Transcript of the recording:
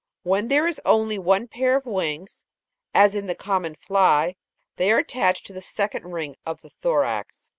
When there is only one pair of wings (as in the common fly), they are attached to the second ring of the thorax